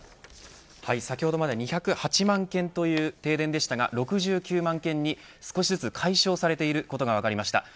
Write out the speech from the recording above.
先ほどまでに２０８万軒という停電でしたが６９万軒に少しずつ解消されていることが分かりました。